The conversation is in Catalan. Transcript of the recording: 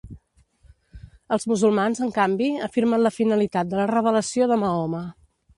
Els musulmans, en canvi, afirmen la finalitat de la revelació de Mahoma.